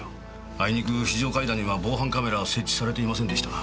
あいにく非常階段には防犯カメラは設置されていませんでした。